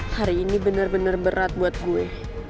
hari ini bener bener berat buat gue